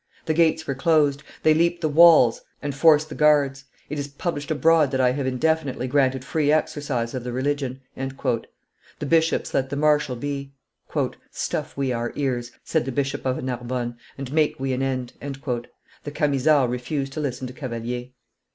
The gates were closed; they leap the walls and force the guards. It is published abroad that I have indefinitely granted free exercise of the religion." The bishops let the marshal be. "Stuff we our ears," said the Bishop of Narbonne, "and make we an end." The Camisards refused to listen to Cavalier.